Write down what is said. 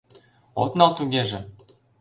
— От нал тугеже?